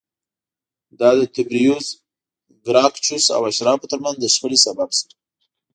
دا د تبریوس ګراکچوس او اشرافو ترمنځ د شخړې سبب شوه